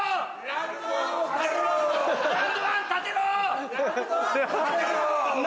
ラウンドワン建てろ！